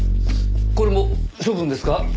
これも処分ですか？